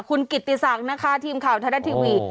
คุณกิติศักดิ์นะคะทีมข่าวไทยรัฐทีวี